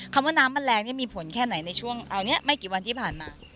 ว่าน้ำมันแรงนี่มีผลแค่ไหนในช่วงเอานี้ไม่กี่วันที่ผ่านมา